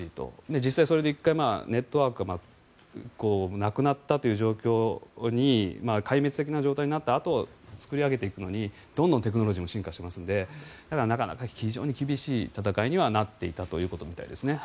実際、それで１回ネットワークがなくなったという状況に壊滅的な状態になったあと作り上げていくのにどんどんテクノロジーも進化していますのでなかなか非常に厳しい戦いにはなっていたということみたいです。